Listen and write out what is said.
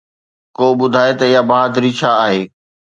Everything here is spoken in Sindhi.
ڪو ٻڌائي ته اها بهادري ڇا آهي؟